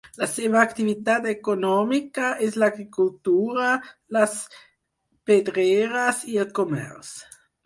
La seva activitat econòmica és l'agricultura, les pedreres i el comerç.